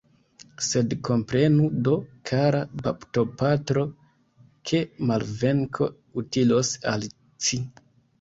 Sed komprenu do, kara baptopatro, ke malvenko utilos al ci.